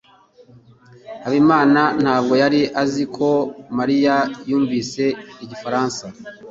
Habimana ntabwo yari azi ko Mariya yumvise igifaransa.